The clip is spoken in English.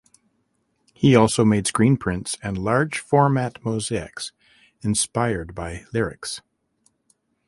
He also made screen prints and large format mosaics inspired by lyrics.